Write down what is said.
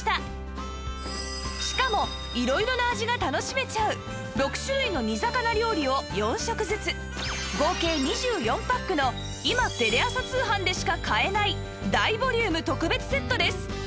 しかも色々な味が楽しめちゃう合計２４パックの今テレ朝通販でしか買えない大ボリューム特別セットです